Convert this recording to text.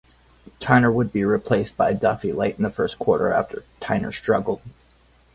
Tyner would be replaced by Duffey late in the first quarter after Tyner struggled.